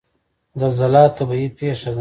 زلزله طبیعي پیښه ده